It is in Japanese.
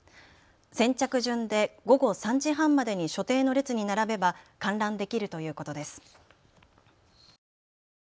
先着順で午後３時半までに所定の列に並べば観覧できるということです。